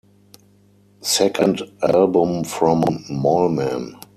Second album from Mallman.